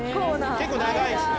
結構長いですね。